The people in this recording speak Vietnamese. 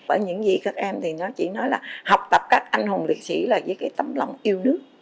ở những gì các em thì nó chỉ nói là học tập các anh hùng liệt sĩ là với cái tấm lòng yêu nước